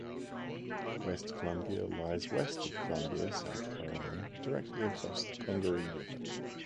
West Columbia lies west of Columbia, South Carolina, directly across the Congaree River.